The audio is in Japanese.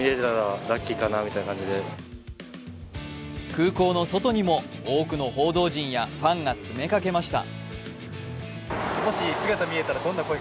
空港の外にも多くの報道陣やファンが詰めかけました。